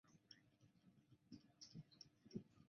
在大乘佛教中有着极大影响。